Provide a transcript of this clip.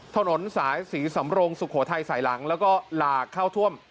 ถนนสายศรีสำรงสุโขทัยสายหลังแล้วก็หลากเข้าท่วม